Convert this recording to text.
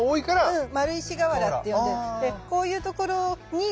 うん。